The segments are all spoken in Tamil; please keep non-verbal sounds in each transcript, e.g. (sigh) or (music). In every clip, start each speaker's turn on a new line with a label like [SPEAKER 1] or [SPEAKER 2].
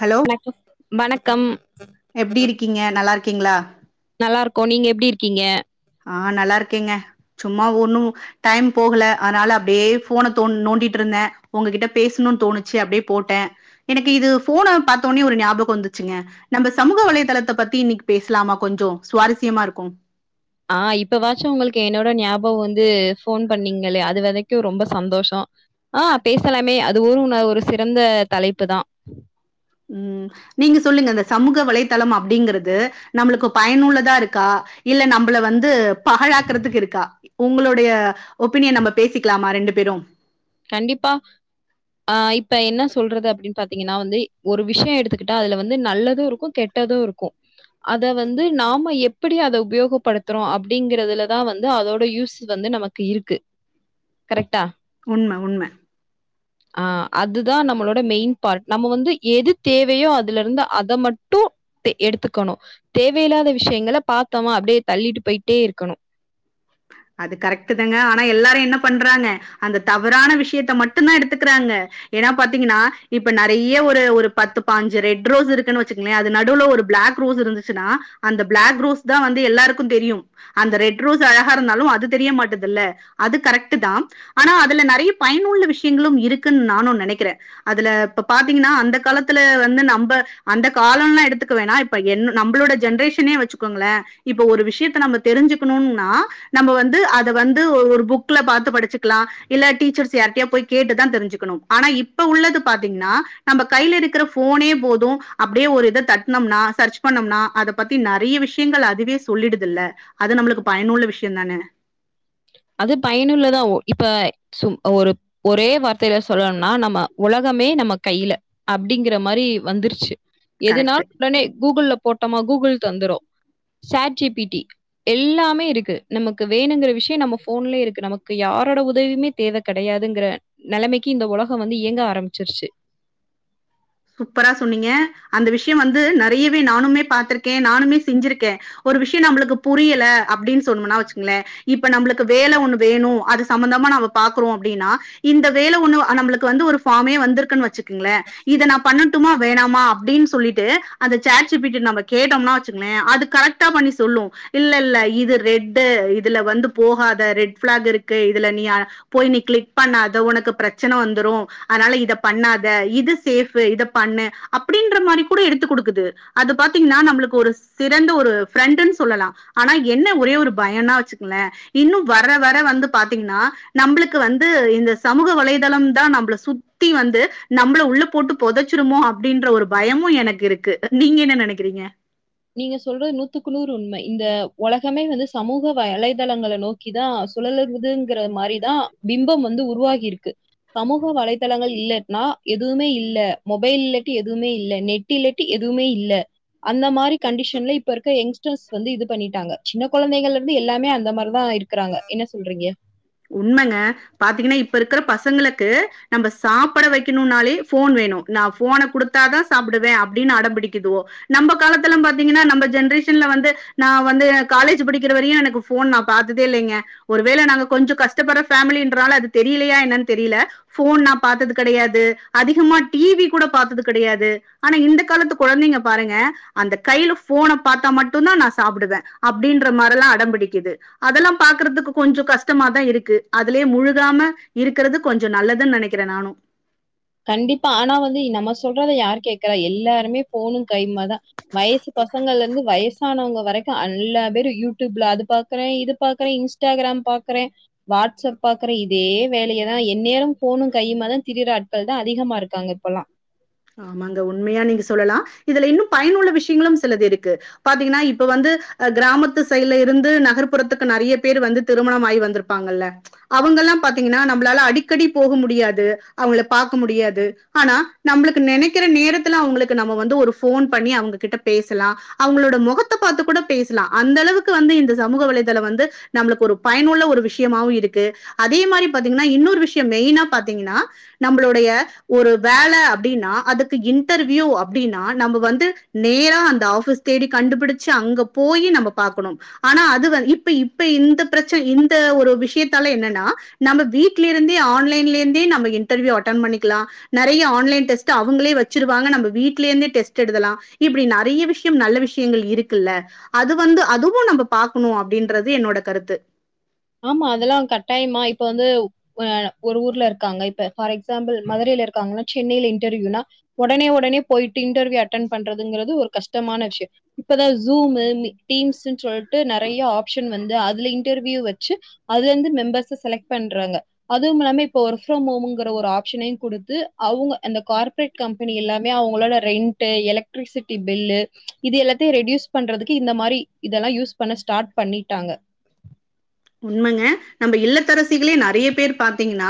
[SPEAKER 1] ஹலோ
[SPEAKER 2] வணக்கம்
[SPEAKER 1] எப்டி இருக்கீங்க நல்லாரு க்கீங்ளா
[SPEAKER 2] நல்லாருக்கோ நீங்க எப்டி இருக்கீங்க?
[SPEAKER 1] ஆ நல்லா இருக்கேங்க சும்மா ஒன்னு டைம் போகல அனால அப்டியே ஃபோன தோ நோண்டிட்ருந்தே உங்ககிட்ட பேசணுன் தோணுச்சு அப்டியே போட்டே எனக்கு இது ஃபோன பாத்தோனே ஒரு ஞாபக வந்துச்சுங்க நம்ம சமூக வலைதளத்த பத்தி இன்னக்கு பேசலாமா கொஞ்சொ சுவாரஸ்யமா இருக்கு
[SPEAKER 2] ஆ இப்ப வாச்சு உங்களுக்கு என்னோட ஞாபகொ வந்து ஃபோன் பண்ணீங்களே அது வரைக்கு ரொம்ப சந்தோஷொ ஆ பேசலாமே அதுவுருன ஒரு சிறந்த தலைப்பு தா
[SPEAKER 1] ம் நீங்க சொல்லுங்க அந்த சமூக வலைத்தளம் அப்டிங்கிறது நம்மளுக்கு பயனுள்ளதா இருக்கா இல்ல நம்பள வந்து பாழாக்குறதுக்கு இருக்கா உங்களுடைய ஒப்பீனியன் நம்ப பேசிக்லாமா ரெண்டு பேரு
[SPEAKER 2] கண்டிப்பா ஆ இப்ப என்ன சொல்றது அப்டின் பாத்தீங்கன்னா வந்து ஒரு விஷ்ய எடுத்துக்கிட்டா அதுல வந்து நல்லது இருக்கு கெட்டது இருக்கு அத வந்து நாம எப்பிடி அத உபயோகப்படுத்துறோ அப்படிங்கிறதுலதா வந்து அதோட யூஸ் வந்து நமக்கு இருக்கு கரெக்டா
[SPEAKER 1] உண்ம உண்ம
[SPEAKER 2] ஆ அதுதா நம்மளோட மெயின் பார்ட் நம்ம வந்து எது தேவயோ அதுலருந்து அத மட்டு எடுத்துக்கணு தேவையில்லாத விஷ்யங்கள பாத்தோமா அப்டியே தள்ளிட்டு போயிட்டே இருக்கணு
[SPEAKER 1] அது கரெக்ட்டு தாங்க ஆனா எல்லாரும் என்ன பண்றாங்க அந்த தவறான விஷ்யத்த மட்டுந்தா எடுத்துக்கிறாங்க ஏனா பாத்தீங்கன்னா இப்ப நறைய ஒரு ஒரு பத்து பாஞ்சு ரெட் ரோஸ் இருக்குன் வச்சுக்கங்ளே அது நடுவுல ஒரு பிளாக் ரோஸ் இருந்துச்சுன்னா அந்த பிளாக் ரோஸ் தா வந்து எல்லாருக்கு தெரியும் அந்த ரெட் ரோ ஸ் அழகா இருந்தாலு அது தெரிய மாட்டுதுல்ல அது கரெக்ட்டு தா ஆனா அதுல நெறைய பயனுள்ள விஷ்யங்களும் இருக்குன் நானு நெனக்கிறே அதுல இப்ப பாத்தீங்னா அந்த காலத்துல வந்து நம்ப அந்த காலொல்லா எடுத்துக்க வேணா இப்ப என் நம்ளோட ஜென்ரேஷனே வச்சுகோங்களே இப்ப ஒரு விஷ்யத்த நம்ம தெரிஞ்சுக்கணுன் னா நம்பவந்து அத வந்து ஒரு புக்ல பாத்து படிச்சுக்லா இல்ல டீச்சர்ஸ் யார்டயா போய் கேட்டுதா தெருஞ்சுக்கணும் ஆனா இப்ப உள்ளது பாத்தீங்னா நம்ம கைலெருக்கிற ஃபோனே போது அப்டியே ஒரு இத தட்னம்னா சர்ச் பண்ணம்னா அத பத்தி நெறைய விஷ்யங்கள் அதுவே சொல்லிடுதுல்ல அது நம்ளுக்கு பயனுள்ள விஷ்யந்தானே
[SPEAKER 2] அது பயனுள்ளதா இப்ப சும் ஒரு ஒரே வார்த்தைல சொல்லணுன்னா நம்ம ஒலகமே நம்ம கையில அப்டிங்கிற மாரி வந்துருச்சு
[SPEAKER 1] கரெக்ட்.
[SPEAKER 2] எதுனால் உடனே கூகுள்ல போட்டோமா கூகுள் தந்துரு சேட் ஜி பி டி எல்லாமே இருக்கு நமக்கு வேணுங்கிற விஷ்ய நம்ம ஃபோன்லே இருக்கு நமக்கு யாரோட உதவியுமே தேவ கெடயாதுங்கிற நெலமக்கி இந்த ஒலகொ வந்து இயங்க ஆரம்பிச்சிருச்சு
[SPEAKER 1] சூப்பரா சொன்னீங்க அந்த விஷ்ய வந்து நறையவே நானுமே பாத்திருக்கே நானுமே செஞ்சிருக்கே ஒரு விஷ்ய நம்மளுக்கு புரியல அப்டின் சொன்னோம்னா வச்சுங்ளே இப்ப நம்ளுக்கு வேல ஒன்னு வேணு அது சம்மந்தமா நம்ம பாக்குறோ அப்டின்னா இந்த வேல ஒன்னு நம்பளுக்கு வந்து ஒரு ஃபார்மே வந்திருக்குன் வச்சு க்குங்ளே இத நா பண்ணட்டுமா வேணாமா அப்டின் சொல்லிட்டு அந்த சாட் ஜி பி டி ல நம்ம கேட்டோம்னா வச்சுங்ளே அது கரெக்ட்டா பண்ணி சொல்லு இல்லெல்ல இது ரெட்டு இதுல வந்து போகாத ரெட் ஃப்ளாக் இருக்கு இதுல நீ போய் நீ கிளிக் பண்ணாத உனக்கு பிரச்சன வந்துரு அனால இத பண்ணாத இது சேஃபு இத பண்ணு அப்டின்ற மாரி கூட எடுத்து குடுக்குது அது பாத்தீங்னா நம்மளுக்கு ஒரு சிறந்த ஒரு ஃப்ரெண்டுன் சொல்லலா ஆனா என்ன ஒரே ஒரு பயன்னா வச்சுக்ளே இன்னு வர வர வந்து பாத்தீங்னா நம்பளுக்கு வந்து இந்த சமூக வலைதளம் தா நம்பள சுத்தி வந்து நம்பள உள்ள போட்டு பொதச்சிருமோ அப்டின்ற ஒரு பயமு எனக்கு இருக்கு நீங்க என்ன நெனக்கிறீங்க?
[SPEAKER 2] நீங்க சொல்றது நூத்துக்கு நூறு உண்மை இந்த ஒலகமே வந்து சமூக வலைதளங்கள நோக்கிதா சுழலதுங்குற மாரிதா பிம்பம் வந்து உருவாகி இருக்கு சமூக வலைதளங்கள் இல்லன்னா எதுவ்மே இல்ல மொபைல் இல்லட்டி எதுவ்மே இல்ல நெட் இல்லட்டி எதுவ்மே இல்ல அந்த மாரி கண்டிஷன்ல இப்ப இருக்க யங்ஸ்டர்ஸ் வந்து இது பண்ணிட்டாங்க சின்ன கொழந்தைகள்லருந்து எல்லாமே அந்த மாரிதா இருக்குறாங்க என்ன சொல்றீங்க
[SPEAKER 1] உண்மங்க பாத்தீங்கனா இப்ப இருக்குற பசங்களுக்கு நம்ப சாப்புட வைக்கணுன்னாலே ஃபோன் வேணு நா ஃபோன குடுத்தாதா சாப்புடுவே அப்டின்னு அடம் பிடிக்குதுவோ நம்ப காலத்தலாம் பாத்தீங்கன்னா நம்ம ஜென்ரேஷன்ல வந்து நா வந்து காலேஜு படிக்கிற வரையு எனக்கு ஃபோன் நா பாத்ததே இல்லைங்க ஒருவேள நாங்க கொஞ்ச கஷ்டப்பட்ற ஃபேமிலின்றனால அது தெரியலயா என்னன் தெரியல ஃபோன் நா பாத்தது கெடையாது அதிகமா டி வி கூட பாத்தது கெடையாது ஆனா இந்த காலத்து குழந்தைங்க பாருங்க அந்த கையில ஃபோன பாத்தா மட்டுந்தா நா சாப்புடுவே அப்டின்ற மாரில்லா அடம்பிடிக்குது அதெல்லா பாக்குறதுக்கு கொஞ்சொ கஷ் டமா தா இருக்கு அதுலயே முழுகாம இருக்கிறது கொஞ்சொ நல்லதுன் நெனக்கிறே நானு
[SPEAKER 2] கண்டிப்பா ஆனா வந்து நம்ம சொல்றத யாரு கேக்குறா எல்லாருமே ஃபோனு கையுமா தா வயசு பசங்கள்லெந்து வயசானவுங்க வரை க்க அல்லா பேரு யூடியூப்ல அது பாக்குறே இது பாக்குறே இன்ஸ்டாகிராம் பாக்குறே வாட்ஸ்அப் பாக்குறே இதே வேலையதா என்நேரமு ஃபோனு கையுமா தா திரியிறாட் கள்தா அதிகமா இருக்காங்க இப்பல்லா
[SPEAKER 1] ஆமாங்க உண்மையா நீங்க சொல்லலா இதுல இன்னு பயனுள்ள விஷ்யங்களும் சிலது இருக்கு பாத்தீங்கனா இப்ப வந்து் கிராமத்து சைட்ல இருந்து நகர்ப்புறத்துக்கு நறைய பேரு வந்து திருமணம் ஆயி வந்திருப்பாங்கல்ல அவுங்கல்லாம் பாத்தீங்கன்னா நம்பளால அடிக்கடி போக முடியாது அவுங்கள பாக்க முடியாது ஆனா நம்மளுக்கு நெனைக்கிற நேரத்துல அவுங்களுக்கு நம்ம வந்து ஒரு ஃபோன் பண்ணி அவுங்க கிட்ட பேசலா அவுங்களோட மொகத்த பாத்து கூட பேசலா அந்த அளவுக்கு வந்து இந்த சமூக வலைதளம் வந்து நம்ளுக்கு ஒரு பயனுள்ள ஒரு விஷ்யமாவு இருக்கு அதே மாரி பாத்தீங்கன்னா இன்னொரு விஷ்யம் மெயினா பாத்தீங்கன்னா நம்பளுடைய ஒரு வேல அப்டின்னா அதுக்கு இன்டர்வியூ அப்டின்னா நம்ப வந்து நேரா அந்த ஆஃபிஸ் தேடி கண்டுபிடிச்சு அங்க போயி நம்ப பாக்கணும் ஆனா அது வ இப்ப இப்ப இந்த பிரச்ச இந்த ஒரு விஷ்யத்தால என்னனா நம்ம வீட்லெருந்தே ஆன்லைன்லெந்தே நம்ப இன்டர்வியூ அட்டன் பண்ணிக்லா நெறைய ஆன்லைன் டெஸ்ட் டு அவுங்களே வச்சிருவாங்க நம்ப வீட்ல இருந்தே டெஸ்ட் எழுதலா இப்டி நெறைய விஷ்யம் நல்ல விஷ்யங்கள் இருக்குல்ல அது வந்து அதுவு நம்ப பாக்கணு அப்டின்றது என்னோட கருத்து
[SPEAKER 2] ஆமா அதெல்லா கட்டாயமா இப்ப வந்து வ ஒரு ஊர்ல இருக்காங்க இப்ப ஃபார் எக்ஸாம்பிள் மதுரைல இருக்காங்கன்னா சென்னைல இன்டர்வியூனா ஒடனே ஒடனே போயிட்டு இன்டர்வியூ அட்டன் பண்றதுங்கிறது ஒரு கஷ்டமான விஷ்யொ இப்பதா ஜூமு மி டீம்ஸுன் சொல்ட்டு நெறைய ஆப்ஷன் வந்து அதுல இன்டர்வியூ வ ச்சு அதுலெந்து மெம்பர்ஸ செலக்ட் பண்றாங்க அதுவுமில்லாம இப்ப ஒர்க் ஃப்ரம் ஹோமுங்குற ‌ஒரு ஆப்ஷனயு குடுத்து அவுங்க அந்த கார்ப்பரேட் கம்பெனி எல்லாமே அவுங்களால ரென்ட்டு எலெக்ட்ரிசிட்டி பில்லு இது எல்லாத்தையு ரெட்யூஸ் பண்றதுக்கு இந்த மாரி இதெல்லா யூஸ் பண்ண ஸ்டார்ட் பண்ணிட்டாங்க
[SPEAKER 1] உண்மங்க நம்ப இல்லத்தரசிகளே நறைய பேர் பாத்தீங்கன்னா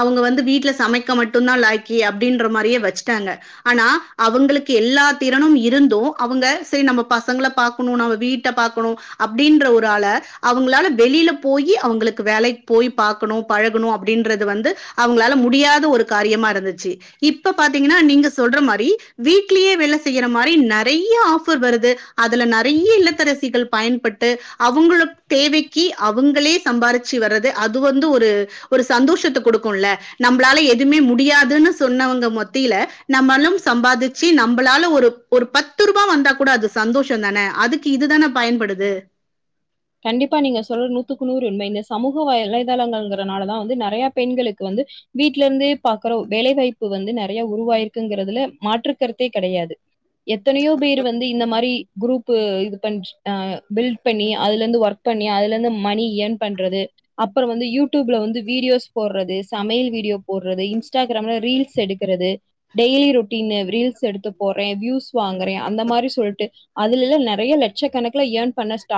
[SPEAKER 1] அவுங்க வந்து வீட்ல சமைக்க மட்டும்ந்தா லாய்க்கி அப்டின்ற மாரியே வச்சுட்டாங்க ஆனா அவுங்களுக்கு எல்லா திறனும் இருந்து அவுங்க சேரி நம்ம பசங்கள பாக்கணு நம்ம வீட்ட பாக்கணு அப்டின்ற ஒரு ஆள அவுங்ளால வெளில போயி அவுங்களுக்கு வேலைக் போய் பாக்கணு பழகணு அப்டின்றது வந்து அவுங்களால முடியாத ஒரு காரியமா இருந்துச்சு இப்ப பாத்தீங்கனா நீங்க சொல்ற மாரி வீட்லயே வேல செய்யிற மாரி நெறைய ஆஃபர் வருது அதுல நறைய இல்லத்தரசிகள் பயன்பட்டு அவுங்களுக் தேவை க்கி அவுங்களே சம்பாரிச்சு வர்றது அது வந்து ஒரு ஒரு சந்தோஷத்த கொடுக்குல்ல நம்பளால எதுவுமே முடியாதுன்னு சொன்னவங்க மத்தியில நம்மளும் சம்பாதிச்சு நம்பளால ஒரு ஒரு பத்து ரூபா வந்தா கூட அது சந்தோஷொந்தானே அதுக்கு இதுதான பயன்படுது
[SPEAKER 2] கண்டிப்பா நீங்க சொல் நூத்துக்கு நூறு உண்மை இந்த சமூக வலைதளங்கள்ங்கிறனாலதா வந்து நெறைய பெண்களுக்கு வந்து வீட்லெந்தே பாக்குற வேலைவாய்ப்பு வந்து நெறைய உருவாயிருக்குங்குறதுல மாற்றுக்கருத்தே கெடையாது எத்தனையோ பேர் வந்து இந்த மாரி குரூப்பு இது பண்ச் ஆ பில்ட் பண்ணி அதுலந்து ஒர்க் பண்ணி அதுலந்து மணி இயர்ன் பண்றது அப்ற வந்து யூ ட்யூப்ல வந்து வீடியோஸ் போர்றது சமையல் வீடியோ போர்றது இன்ஸ்டாகிராம்ல ரீல்ஸ் எடுக்குறது டெய்லி ரொட்டீனு ரீல்ஸ் எடுத்து போட்றே வியூஸ் வாங்குறே அந்த மாரி சொல்ட்டு அதுலெல்லா நெறைய லட்சக்கணக்குல இயர்ன் பண்ண ஸ்டா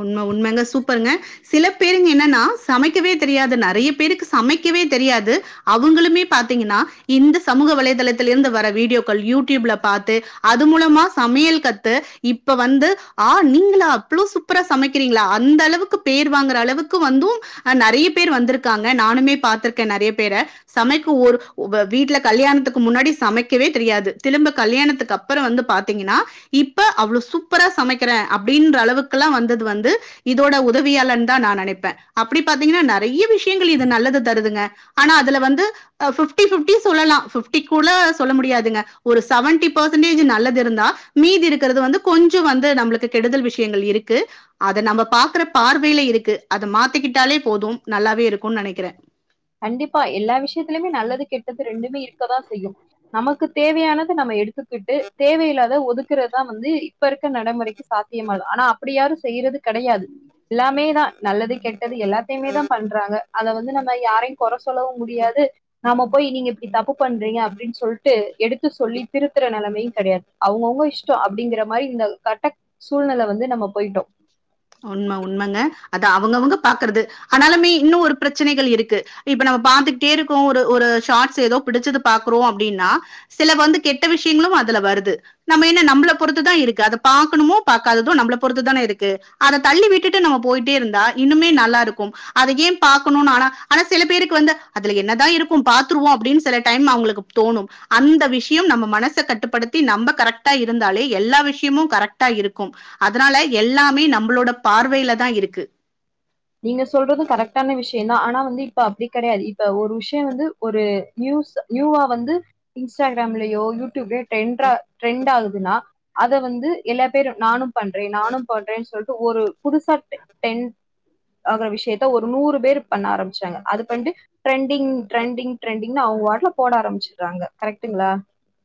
[SPEAKER 1] உண்ம உண்மங்க சூப்பருங்க சில பேருங்க என்னன்னா சமைக்கவே தெரியாது நெறைய பேருக்கு சமைக்கவே தெரியாது அவுங்களுமே பாத்தீங்கன்னா இந்த சமூக வலைதளத்துலெந்து வர வீடியோக்கள் யூடியூப்ல பாத்து அது மூலமா சமையல் கத்து இப்ப வந்து ஆ நீங்களா அவ்ளோ சூப்பரா சமைக்கிறீங்ளா அந்த அளவுக்கு பேர் வாங்குற அளவுக்கு வந்தும் அ நறைய பேர் வந்திருக்காங்க நானுமே பாத்திருக்கே நறைய பேர சமைக்க ஒரு வீட்ல கல்யாணத்துக்கு முன்னாடி சமைக்கவே தெரியாது திரும்ப கல்யாணத்துக்கு அப்பற வந்து பாத்தீங்கன்னா இப்ப அவ்ள சூப்பரா சமை க்கிற அப்டின்ற அளவுக்குல்லா வந்தது வந்து இதோட உதவியாலன் தா நா நனைப்பே அப்டி பாத்தீங்கன்னா நறைய விஷ்யங்கள் இது நல்லது தருதுங்க ஆனா அதுல வந்து ஃபிப்டி ஃபிப்டி சொல்லலா ஃபிப்டி கூட சொல்ல முடியாதுங்க ஒரு செவன்டி பர்சென்டேஜ் நல்லது இருந்தா மீதி இருக்குறது வந்து கொஞ்ச வந்து நம்ளு க்கு கெடுதல் விஷ்யங்கள் இருக்கு அத நம்ப பாக்குற பார்வைல இருக்கு அத மாத்திக்கிட்டாலே போதும் நல்லாவே இருக்குன் நனக்கிறே
[SPEAKER 2] (unintelligible) ரெண்டுமே இருக்கதா செய்யு நமக்கு தேவையானது நம்ம எடுத்துக்கிட்டு தேவையில்லாத ஒதுக்குறதா வந்து இப்ப இருக்க நடைமுறைக்கு சாத்தியமாது ஆனா அப்பிடி யாரு செய்யுறது கெடையாது எல்லாமே தா நல்லது கெட்டது எல்லாத்தையுமே தா பண்றாங்க அத வந்து நம்ம யாரையு கொற சொல்லவு முடியாது நாம போய் நீங்க இப்டி தப்பு பண்றீங்க அப்டின் சொல்ட்டு எடுத்து சொல்லி திருத்துற நெலமையு கெடையாது அவுங்கவுங்க இஷ்ட அப்டிங்கிற மாரி இந்த கட்ட சூழ்நெல வந்து நம்ம போயிட்டோ
[SPEAKER 1] உண்ம உண்மங்க அது அவுங்கவுங்க பாக்குறது ஆனாலுமே இன்னு ஒரு பிரச்சனைகள் இருக்கு இப்ப நம்ம பாத்துக்ட்டே இருக்கோ ஒரு ஒரு ஷார்ட்ஸ் எதோ பிடிச்சது பாக்குறோ அப்டின்னா சில வந்து கெட்ட விஷ்யங்களும் அதுல வருது நம்ம என்ன நம்பள பொறுத்துதா இருக்கு அத பாக்கணுமோ பாக்காதது நம்பள பொறுத்துதானே இருக்கு அத தள்ளி விட்டுட்டு நம்ம போயிட்டே இருந்தா இன்னுமே நல்லா இருக்கும் அத ஏ பாக்கணுன் ஆனா ஆனா சில பேருக்கு வந்து அதுல என்னதா இருக்கும் பாத்துருவோ அப்டின் சில டைம் அவுங்களுக்கு தோணும் அந்த விஷ்யம் நம்ம மனச கட்டுப்படுத்தி நம்ப கரெக்டா இருந்தாலே எல்லா விஷ்யமு கரெக்டா இருக்கும் அதனால எல்லாமே நம் ளோட பார்வைல தா இருக்கு
[SPEAKER 2] நீங்க சொல்றது கரெக்டான விஷ்யந்தா ஆனா வந்து இப்ப அப்டி கெடையாது இப்ப ஒரு விஷ்ய வந்து ஒரு நியூஸ் நியூவா வந்து இன்ஸ்டாகிராம்லயோ யூடியூப்லயோ ட்ரெண்ட்ர ட்ரெண்ட் ஆகுதுன்னா அத வந்து எல்லா பேரு நானும் பண்றே நானும் பண்றே சொல்ட்டு ஒரு புதுசா டென் ஆகுற விஷ்யத்த ஒரு நூறு பேரு பண்ண ஆரம்பிச்சாங்க அது பண்ட்டு ட்ரெண்டிங் ட்ரெண்டிங் ட்ரெண்டிங்னு அவுங்க வாட்ல போட ஆரம்பிச்சுட்றாங்க கரெக்டுங்ளா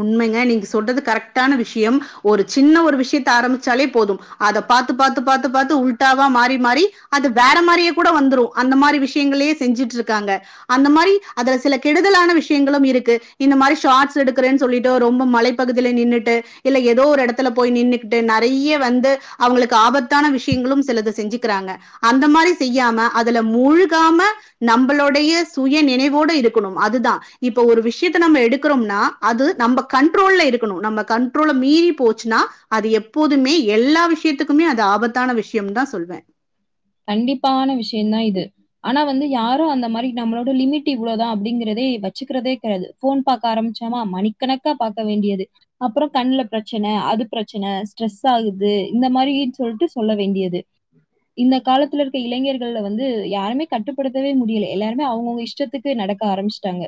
[SPEAKER 1] உண்மைங்க நீங்க சொல்றது கரெக்டான விஷ்யம் ஒரு சின்ன ஒரு விஷ்யத்த ஆரம்பிச்சாலே போதும் அத பாத்து பாத்து பாத்து பாத்து உல்ட்டாவா மாறி மாறி அது வேற மாரியே கூட வந்துரு அந்த மாரி விஷ்யங்களையே செஞ்சுட்ருக்காங்க அந்த மாரி அதுல சில கெடுதலான விஷ்யங்களும் இருக்கு இந்த மாரி ஷார்ட்ஸ் எடு க்குறேன் சொல்லிட்டு ரொம்ப மலைப்பகுதில நின்னுட்டு இல்ல எதோ ஒரு எடத்துல போய் நின்னுகிட்டு நெறைய வந்து அவுங்களுக்கு ஆபத்தான விஷ்யங்களும் சிலது செஞ்சுக்கிறாங்க அந்த மாரி செய்யாம அதுல மூழ்காம நம்பளுடைய சுய நினைவோட இருக்கணும் அதுதா இப்ப ஒரு விஷ்யத்த நம்ம எடுக்குறோம்னா அது நம்ப கண்ட்ரோல்ல இருக்கணு நம்ம கண்ட்ரோல்ல மீறி போச்சுன்னா அது எப்போதுமே எல்லா விஷ்யத்துக்குமே அது ஆபத்தான விஷ்யம் தா சொல்வே
[SPEAKER 2] கண்டிப்பான விஷ்யந்தா இது ஆனா வந்து யாரு அந்த மாரி நம்மளோட லிமிட் இவ்ளொதா அப்டிங்கிறதே வச்சுக்குறதே கெடயாது ஃபோன் பாக்க ஆரம்பிச்சாமா மணிக்கணக்கா பாக்க வேண்டியது அப்றொ கண்ல பிரச்சன அது பிரச்சன ஸ்ட்ரெஸ் ஆகுது இந்த மாரீன் சொல்ட்டு சொல்ல வேண்டியது
[SPEAKER 1] (inaudible)
[SPEAKER 2] இந்த காலத்துல இருக்க இளைஞர்கள்ல வந்து யாருமே கட்டுப்படுத்தவே முடியல எல்லாருமே அவுங்கவுங்க இஷ்டத்துக்கு நடக்க ஆரம்மிச்ட்டாங்க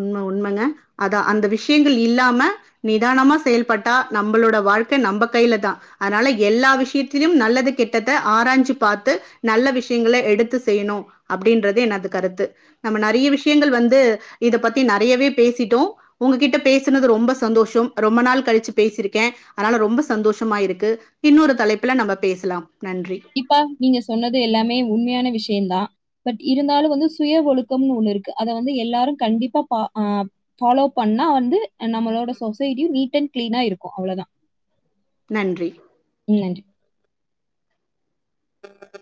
[SPEAKER 1] உண்ம உண்மங்க அதா அந்த விஷ்யங்கள் இல்லாம நிதானமா செயல்பட்டா நம்பளோட வாழ்க்க நம்ப கைலதா அனால எல்லா விஷ்யத்திலியும் நல்லது கெட்டத ஆராஞ்சு பாத்து நல்ல விஷ்யங்கள எடுத்து செய்யணு அப்டின்றது எனது கருத்து நம்ம நெறைய விஷ்யங்கள் வந்து இத பத்தி நெறையவே பேசிட்டோ உங்ககிட்ட பேசுனது ரொம்ப சந்தோஷம் ரொம்ப நாள் கழிச்சு பேசிருக்கே அனால ரொம்ப சந்தோஷமா இருக்கு இன்னொரு தலைப்புல நம்ப பேசலாம் நன்றி.
[SPEAKER 2] இப்பா நீங்க சொன்னது எல்லாமே உண்மையான விஷ்ய யந்தா பட் இருந்தாலு வந்து சுய ஒழுக்கம்னு ஒன்னு இருக்கு அத வந்து எல்லாரு கண்டிப்பா பா ஆ ஃபாலோ பண்ணா வந்து நம்மளோட சொசைட்டியு நீட் அண்ட் கிளீனா இருக்கு அவ்ளதா
[SPEAKER 1] நன்றி
[SPEAKER 2] (inaudible)